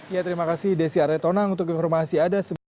ya terima kasih desy arnetonang untuk informasi ada